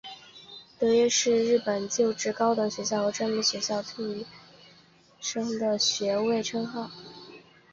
得业士是日本旧制高等学校和专门学校授与卒业生的学位称号。